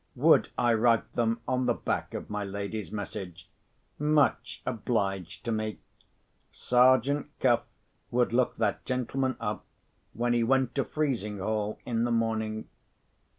Would I write them on the back of my lady's message? Much obliged to me. Sergeant Cuff would look that gentleman up, when he went to Frizinghall in the morning.